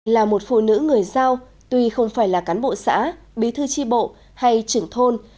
là một phụ nữ người giao tuy không phải là cán bộ xã bí thư tri bộ hay trưởng thôn